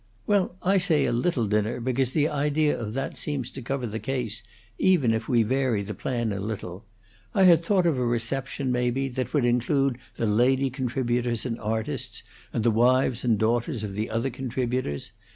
"Well, I say a little dinner because the idea of that seems to cover the case, even if we vary the plan a little. I had thought of a reception, maybe, that would include the lady contributors and artists, and the wives and daughters of the other contributors.